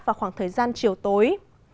vào khoảng thời gian chiều tối